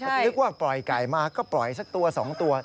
นึกว่าปล่อยไก่มาก็ปล่อยสักตัว๒ตัว